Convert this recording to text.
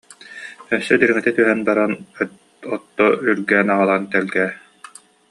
Өссө дириҥэтэ түһэн баран отто үргээн аҕалан тэлгээ